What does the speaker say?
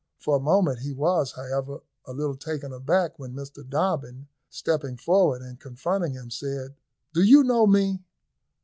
For a moment he was, however, a little taken aback when Mr Dobbin, stepping forward and confronting him, said, "Do you know me?"